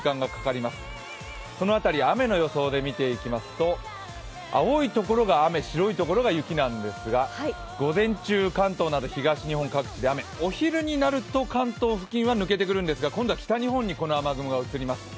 この辺り、雨の予想で見ていきますと、青いところが雨、白いところが雪なんですが、東日本各地で雨、お昼になると関東付近は抜けてくるんですがそのあと北日本に雨雲が移ります。